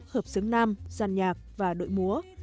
hợp sướng nam giàn nhạc và đội múa